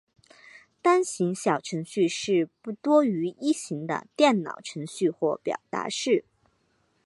单行小程式是不多于一行的电脑程序或表达式。